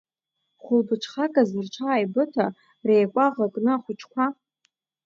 Хәылбыҽхаказ рҽааибыҭа, реикәаӷа кны ахәыҷқәа…